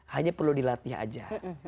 hanya perlu dilatih aja